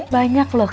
banyak loh kak